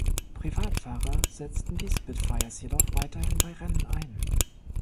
Privatfahrer setzten die Spitfires jedoch weiterhin bei Rennen ein.